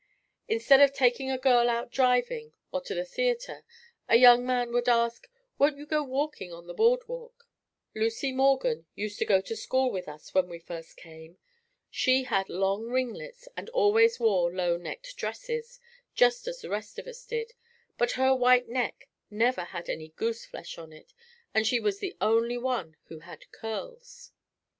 Instead of taking a girl out driving or to the theatre, a young man would ask, "Won't you go walking on the boardwalk?" Lucy Morgan used to go to school with us when we first came. She had long ringlets and always wore lownecked dresses, just as the rest of us did, but her white neck never had any gooseflesh on it and she was the only one who had curls.